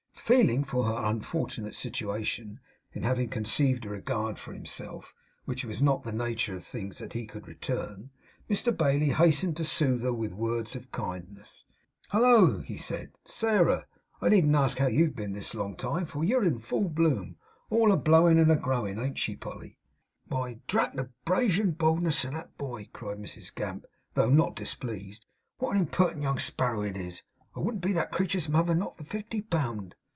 Feeling for her unfortunate situation, in having conceived a regard for himself which it was not in the nature of things that he could return, Mr Bailey hastened to soothe her with words of kindness. 'Hallo!' he said, 'Sairah! I needn't ask you how you've been this long time, for you're in full bloom. All a blowin and a growin; ain't she, Polly?' 'Why, drat the Bragian boldness of that boy!' cried Mrs Gamp, though not displeased. 'What a imperent young sparrow it is! I wouldn't be that creetur's mother not for fifty pound!